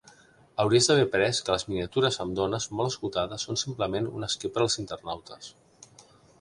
Hauries d'haver après que les miniatures amb dones molt escotades són simplement un esquer per als internautes.